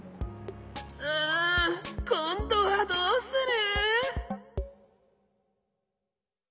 うんこんどはどうする？